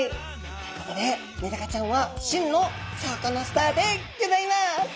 ということでメダカちゃんは真のサカナスターでギョざいます。